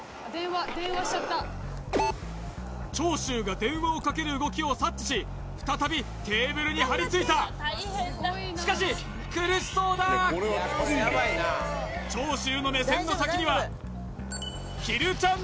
長州が電話をかける動きを察知し再びテーブルに張り付いたしかし苦しそうだ長州の目線の先にはひるちゃん